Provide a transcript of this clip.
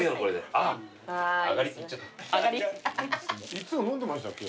いっつも飲んでましたっけ？